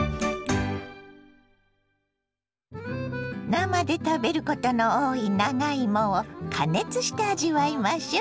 生で食べることの多い長芋を加熱して味わいましょ。